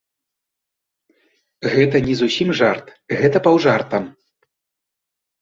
Гэта не зусім жарт, гэта паўжартам.